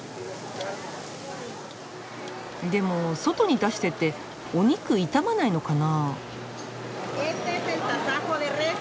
でも外に出しててお肉傷まないのかな？